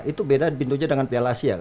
itu beda pintunya dengan piala asia